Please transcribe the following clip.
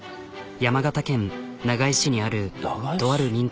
山形県長井市にあるとある民家。